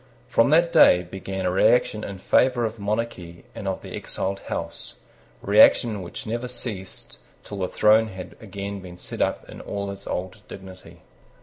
From that day began a reaction in favour of monarchy and of the exiled house, reaction which never ceased till the throne had again been set up in all its old dignity.